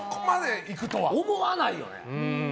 思わないよね。